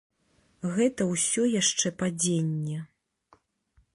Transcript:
Гэта ўсё яшчэ падзенне.